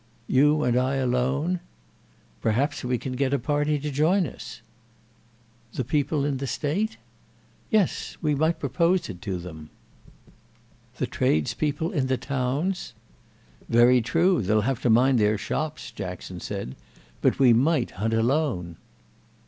"You and I alone?" "Perhaps we can get a party to join us." "The people in the State?" "Yes—we might propose it to them." "The tradespeople in the towns?" "Very true—they'll have to mind their shops," Jackson said. "But we might hunt alone."